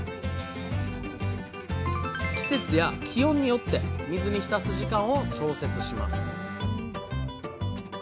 季節や気温によって水に浸す時間を調節します